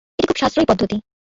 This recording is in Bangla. এটি খুব সাশ্রয়ী পদ্ধতি।